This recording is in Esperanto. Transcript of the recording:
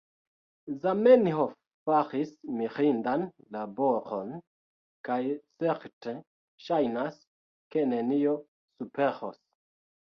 Zamenhof faris mirindan laboron, kaj certe ŝajnas, ke nenio superos